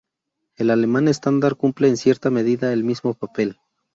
El alemán estándar cumple, en cierta medida, el mismo papel.